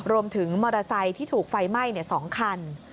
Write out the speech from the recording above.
รวมถึงมอเตอร์ไซค์ที่ถูกไฟไหม้๒คัน